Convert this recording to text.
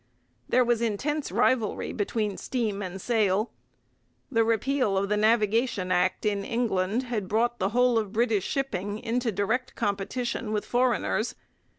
There was intense rivalry between steam and sail. The repeal of the Navigation Act in England had brought the whole of British shipping into direct competition with foreigners.